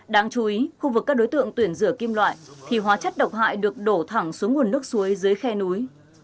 đáng chú ý khu vực các đối tượng tuyển rửa kim loại thì hóa chất độc hại được đổ thẳng xuống nguồn nước suối dưới khe núi